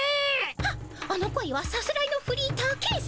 はっあの声はさすらいのフリーターケンさま。